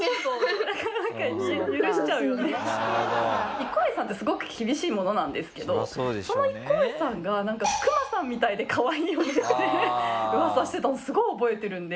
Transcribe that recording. １個上さんってすごく厳しいものなんですけどその１個上さんがなんかくまさんみたいでかわいいよねって噂してたのすごい覚えてるんで。